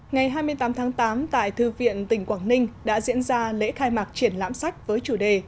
ngày hai mươi tám tháng tám tại thư viện tỉnh quảng ninh đã diễn ra lễ khai mạc triển lãm sách với chủ đề